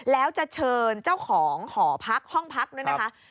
แล้วจะเชิญเจ้าของหอพักห้องพักด้วยนะคะ